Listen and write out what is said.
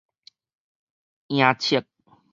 颺粟